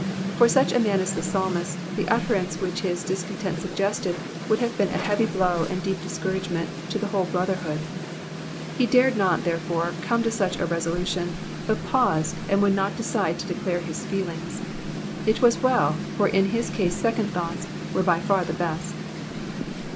From such a man as the psalmist, the utterance which his discontent suggested would have been a heavy blow^ and deep discouragement to the whole brotherhood. He dared not, therefore, come to such a resolution, but paused, and would not decide to declare his feelings. It was well, for in his case second thoughts were by far the best.